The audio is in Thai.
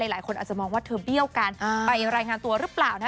หลายคนอาจจะมองว่าเธอเบี้ยวกันไปรายงานตัวหรือเปล่านะ